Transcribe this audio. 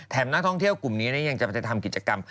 นักท่องเที่ยวกลุ่มนี้ยังจะไปทำกิจกรรม